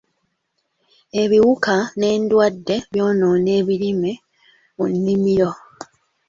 Ebiwuka n'endwadde byonoona ebirime mu nnimiro.